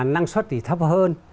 năng suất thì thấp hơn